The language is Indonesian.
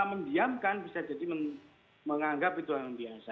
mendiamkan bisa jadi menganggap itu orang biasa